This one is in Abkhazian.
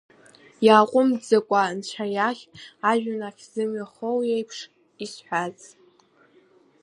Иааҟәымҵӡакәа анцәа иахь, ажәҩан ахь зымҩа хоу иеиԥш, изҳәаз…